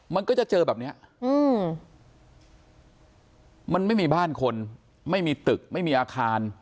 มันก็จะเจอแบบเนี้ยอืมมันไม่มีบ้านคนไม่มีตึกไม่มีอาคาร